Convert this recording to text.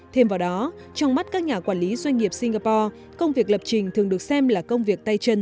thêm vào đó trong mắt các nhà quản lý doanh nghiệp singapore công việc lập trình thường được xem là công việc tay chân